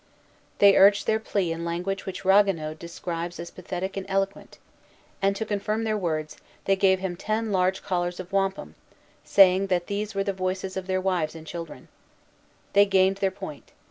They urged their plea in language which Ragueneau describes as pathetic and eloquent; and, to confirm their words, they gave him ten large collars of wampum, saying that these were the voices of their wives and children. They gained their point.